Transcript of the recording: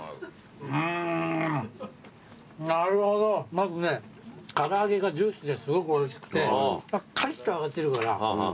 まずね唐揚げがジューシーですごくおいしくてカリッと揚がってるから。